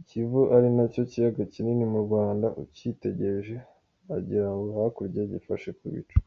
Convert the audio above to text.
I Kivu ari nacyo kiyaga kinini mu Rwanda, ukitegereje agirango hakurya gifashe ku bicu .